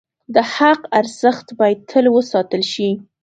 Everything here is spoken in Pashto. د حق ارزښت باید تل وساتل شي.